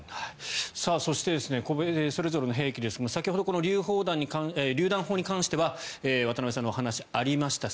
そしてそれぞれの兵器ですが先ほどりゅう弾砲に関しては渡部さんのお話がありました。